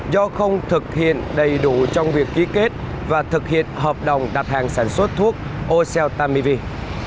do không thực hiện đầy đủ trong việc ký kết và thực hiện hợp đồng đặt hàng sản xuất thuốc ocel tamivi